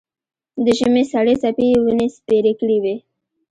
د ژمي سړې څپې یې ونې سپېرې کړې وې.